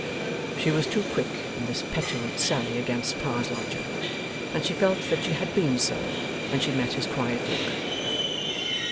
She was too quick in this petulant sally against 'Pa's lodger'; and she felt that she had been so when she met his quiet look.